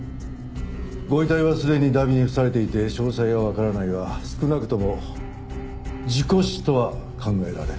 ご遺体はすでに荼毘に付されていて詳細はわからないが少なくとも事故死とは考えられん。